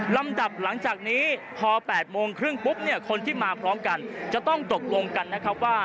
ลำดับหลังจากนี้พอ๘โมงครึ่งปุ๊บเนี่ยคนที่มาพร้อมกันจะต้องตกลงกันนะครับว่า